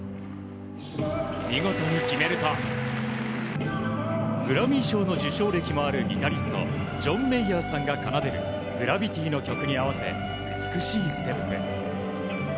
見事に決めるとグラミー賞の受賞歴もあるギタリストジョン・メイヤーさんが奏でる「Ｇｒａｖｉｔｙ」の曲に合わせた美しいステップ。